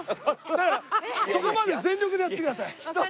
だからそこまで全力でやってください。